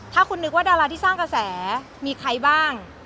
ถ้าคุณนึกว่าดาราที่สร้างกระแสมีใครบ้าง